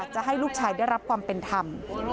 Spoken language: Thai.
จะให้ลูกชายได้รับความเป็นธรรม